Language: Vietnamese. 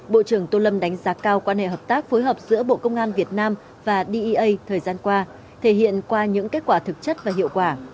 bộ trưởng tô lâm đánh giá cao quan hệ hợp tác phối hợp giữa bộ công an việt nam và dea thời gian qua thể hiện qua những kết quả thực chất và hiệu quả